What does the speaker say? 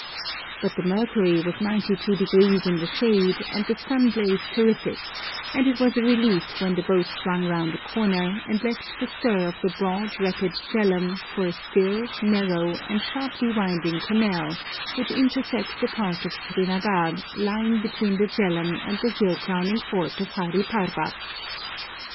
But the mercury was 92° in the shade and the sun blaze terrific, and it was a relief when the boat swung round a corner, and left the stir of the broad, rapid Jhelum for a still, narrow, and sharply winding canal, which intersects a part of Srinagar lying between the Jhelum and the hill crowning fort of Hari Parbat.